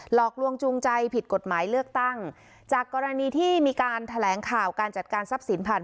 หลอกลวงจูงใจผิดกฎหมายเลือกตั้งจากกรณีที่มีการแถลงข่าวการจัดการทรัพย์สินผ่าน